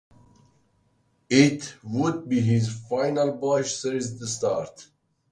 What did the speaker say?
It would be his final Busch Series start.